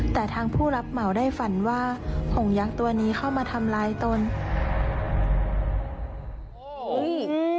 แต่ทางผู้รับเหมาได้ฝันว่าผงยักษ์ตัวนี้เข้ามาทำร้ายตน